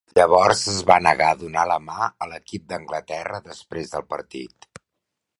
Llavors es va negar a donar la mà a l'equip d'Anglaterra després del partit.